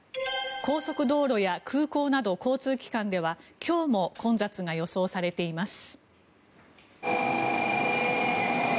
高速道路や空港など交通機関では今日も混雑が予想されています。